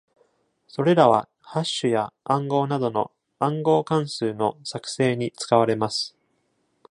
それらは、ハッシュや暗号などの暗号関数の作成に使われます。